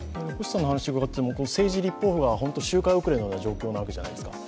政治立法府が、周回遅れのような状況じゃないですか。